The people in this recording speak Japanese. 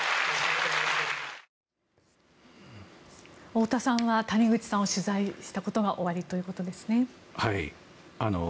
太田さんは谷口さんを取材したことがおありということですね。